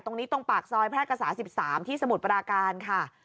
ตรงปากซอยแพร่กษา๑๓ที่สมุทรปราการค่ะ